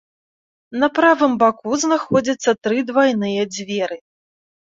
На правай баку знаходзіцца тры двайныя дзверы.